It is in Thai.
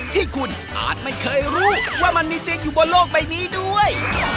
ที่คุณอาจไม่เคยรู้ว่ามันมีจริงอยู่บนโลกใบนี้ด้วย